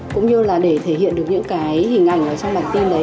cũng như là để thể hiện được những cái hình ảnh ở trong bản tin đấy